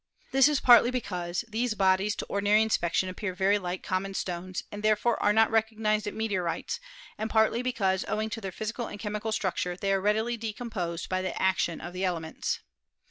This is partly because these bodies to ordinary inspection appear very like com mon stones, and therefore are not recognised as meteorites, and partly because owing to their physical and chemical structure they are readily decomposed by the action of the elements.